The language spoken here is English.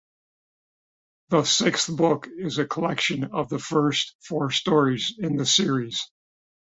The sixth book is the collection of the first four stories in the series.